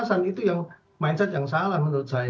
fungsi pengawasan itu yang mindset yang salah menurut saya